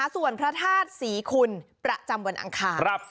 ส่วนพระธาตุศรีคุณประจำวันอังคาร